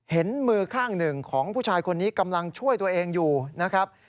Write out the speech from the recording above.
มือข้างหนึ่งของผู้ชายคนนี้กำลังช่วยตัวเองอยู่นะครับ